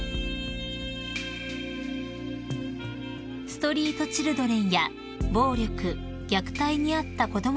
［ストリートチルドレンや暴力・虐待に遭った子供たちを支援する